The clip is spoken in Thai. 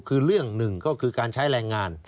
คือเรื่องหนึ่งก็คือการใช้แรงงาน